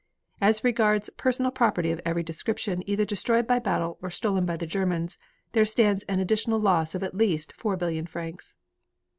As regards personal property of every description either destroyed by battle, or stolen by the Germans, there stands an additional loss of at least 4,000,000,000 francs.